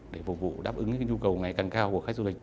để phục vụ đáp ứng nhu cầu ngày càng cao của khách du lịch